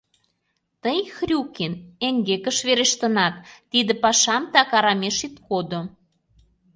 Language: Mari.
Тый, Хрюкин, эҥгекыш верештынат, тиде пашам так арамеш ит кодо...